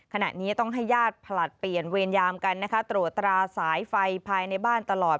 ขณะนี้ต้องให้ญาติผลัดเปลี่ยนเวรยามกันนะคะตรวจตราสายไฟภายในบ้านตลอด